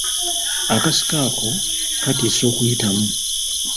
Akasiko ako katiisa okuyitamu.